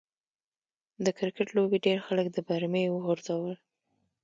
د کرکټ لوبې ډېر خلک د برمې و غورځول.